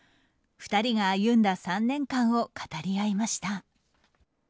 ２人が歩んだ３年間を語り合いました。